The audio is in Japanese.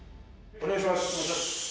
お願いします